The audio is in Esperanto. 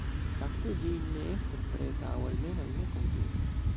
Fakte ĝi ne estas preta, aŭ almenaŭ ne kompleta.